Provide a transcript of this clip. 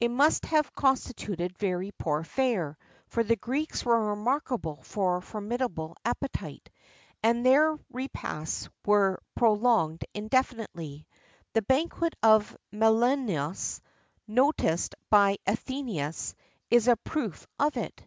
[XXXIV 5] It must have constituted very poor fare, for the Greeks were remarkable for a formidable appetite, and their repasts were prolonged indefinitely. The banquet of Menelaus, noticed by Athenæus, is a proof of it.